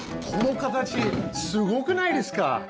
この形すごくないですか？